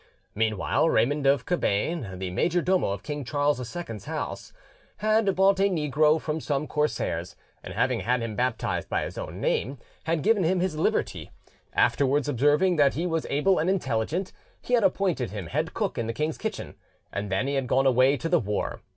Meanwhile Raymond of Cabane, the major domo of King Charles II's house, had bought a negro from some corsairs, and having had him baptized by his own name, had given him his liberty; afterwards observing that he was able and intelligent, he had appointed him head cook in the king's kitchen; and then he had gone away to the war.